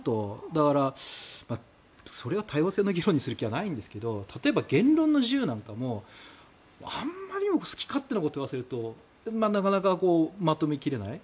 だからそれが多様性の議論にする気はないんですけど例えば言論の自由なんかもあまりにも好き勝手なこと言わせるとなかなかまとめ切れない。